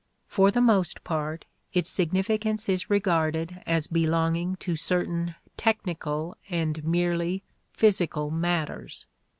For the most part, its significance is regarded as belonging to certain technical and merely physical matters.